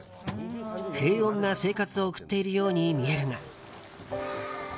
平穏な生活を送っているようにみえるが。